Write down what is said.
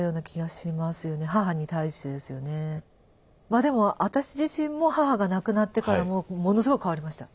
まあでも私自身も母が亡くなってからもうものすごい変わりました。